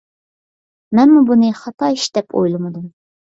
مەنمۇ بۇنى خاتا ئىش دەپ ئويلىمىدىم.